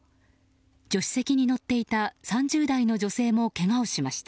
助手席に乗っていた３０代の女性もけがをしました。